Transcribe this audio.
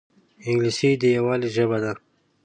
انګلیسي د یووالي ژبه ده